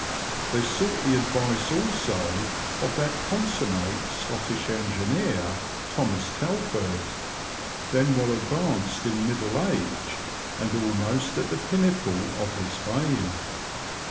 They sought the advice also of that consummate Scottish engineer, Thomas Telford, then well advanced in middle age and almost at the pinnacle of his fame.